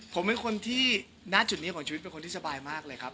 ผมเป็นคนที่ณจุดนี้ของชีวิตเป็นคนที่สบายมากเลยครับ